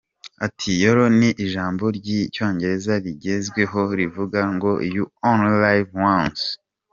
Ati “ Yolo ni ijambo ry’icyongereza rigezweho rivuga ngo You Only Live Once.